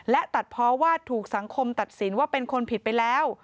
และตัดเพราะว่าถูกสังคมตัดสินว่าเป็นคนผิดไปแล้ว